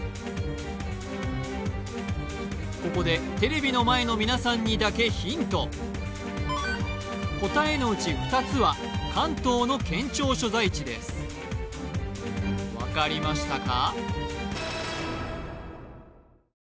ここでテレビの前の皆さんにだけヒント答えのうち２つは関東の県庁所在地です分かりましたか？